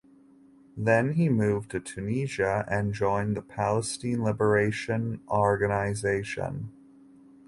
Then he moved to Tunisia and joined the Palestine Liberation Organization.